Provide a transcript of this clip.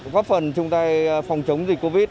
pháp phần trung tay phòng chống dịch covid